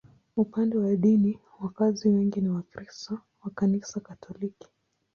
Upande wa dini, wakazi wengi ni Wakristo wa Kanisa Katoliki.